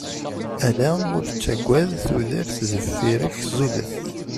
Ala ur ttagad, tudert deffir-k ẓidet.